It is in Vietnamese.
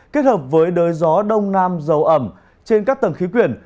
kết hợp với đới gió đông nam dầu ẩm trên các tầng khí quyển